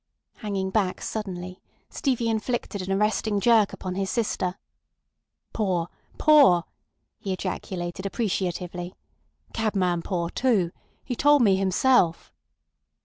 Hanging back suddenly, Stevie inflicted an arresting jerk upon his sister. "Poor! Poor!" he ejaculated appreciatively. "Cabman poor too. He told me himself."